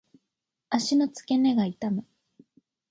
足の付け根が痛む。